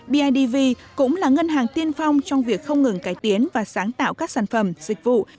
bidv cũng là ngân hàng tiên phong trong việc không ngừng cải tiến và sáng tạo các sản phẩm dịch vụ